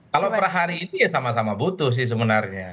kalau per hari itu ya sama sama butuh sih sebenarnya